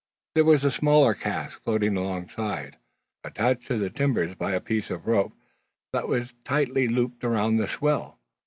There was a smaller cask floating alongside, attached to the timbers by a piece of rope that was tightly looped around the swell.